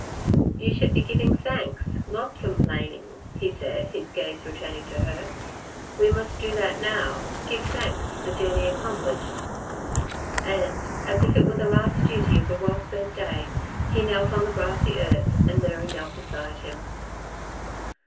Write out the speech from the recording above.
"You should be giving thanks, not complaining," he said, his gaze returning to her. "We must do that now give thanks for the journey accomplished." And, as if it were the last duty of a well spent day, he knelt on the grassy earth, and Mary knelt beside him.